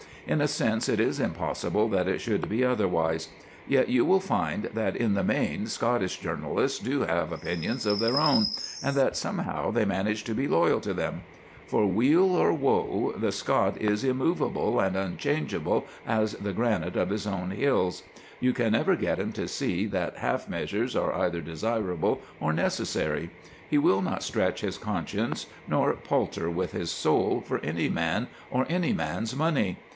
In a sense it is impossible that it should be otherwise. Yet you will find that in the main Scottish journalists do have opinions of their own, and that somehow they manage to be loyal to them. For weal or woe the Scot is immovable and unchangeable as the granite of his own hills. You can never get him to see that half measures are either desirable or necessary. He will not stretch his conscience nor palter with his soul for any man or any man's money.